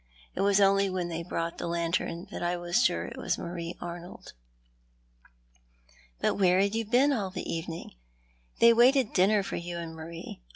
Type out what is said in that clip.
It was only when they brought the lantern that I was sure it was IVIarie Arnold." "But whore had you been all the evening? They waited dinner for you and ]\Iarie.